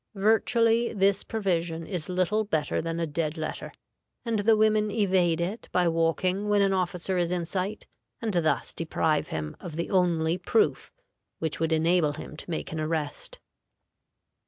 Virtually this provision is little better than a dead letter, and the women evade it by walking when an officer is in sight, and thus deprive him of the only proof which would enable him to make an arrest.